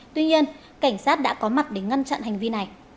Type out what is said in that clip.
tuy nhiên cảnh sát đã có mặt để ngăn chặn hành vi này